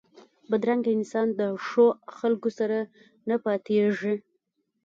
بدرنګه انسان د ښو خلکو سره نه پاتېږي